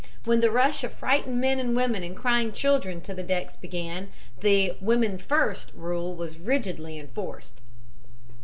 When the rush of frightened men and women and crying children to the decks began, the 'women first' rule was rigidly enforced.